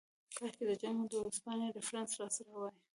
کاشکې د جنګ د ورځپاڼې ریفرنس راسره وای.